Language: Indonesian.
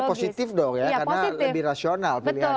positif dong ya karena lebih rasional pilihannya